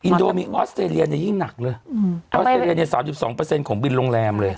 นี่หนักเลย๓๒ของบินโรงแรมเลย